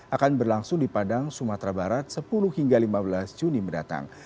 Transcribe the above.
akan berlangsung di padang sumatera barat sepuluh hingga lima belas juni mendatang